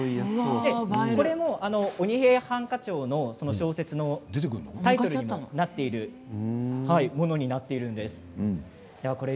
これも「鬼平犯科帳」の小説のタイトルにもなっているものです。